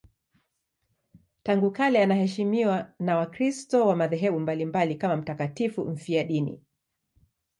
Tangu kale anaheshimiwa na Wakristo wa madhehebu mbalimbali kama mtakatifu mfiadini.